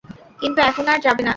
কিন্তু এখন আর যাবে না।